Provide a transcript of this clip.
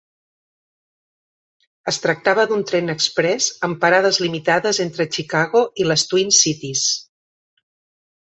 Es tractava d'un tren exprès amb parades limitades entre Chicago i les Twin Cities.